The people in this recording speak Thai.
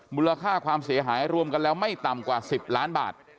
มูลค่าความเสียหายรวมกันแล้วไม่ต่ำกว่า๑๐ล้านบาท